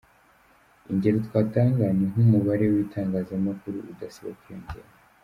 Ingero twatanga ni nk’umubare w’ibitangazamakuru udasiba kwiyongera.